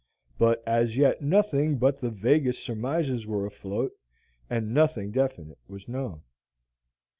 But as yet nothing but the vaguest surmises were afloat, and nothing definite was known.